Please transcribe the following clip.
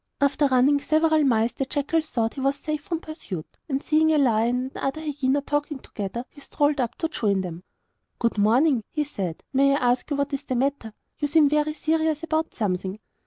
After running several miles the jackal thought he was safe from pursuit, and seeing a lion and another hyena talking together, he strolled up to join them. 'Good morning,' he said; 'may I ask what is the matter? You seem very serious about something.